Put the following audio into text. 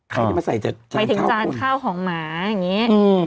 ใครจะมาใส่จะหมายถึงจานข้าวของหมาอย่างนี้